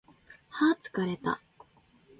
はー疲れた